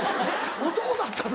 男だったの？